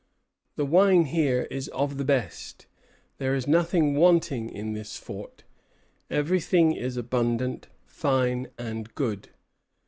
"The wine here is of the best; there is nothing wanting in this fort; everything is abundant, fine, and good."